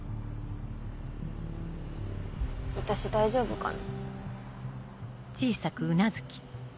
私大丈夫かな？